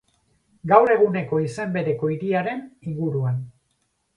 Gaur eguneko izen bereko hiriaren inguruan.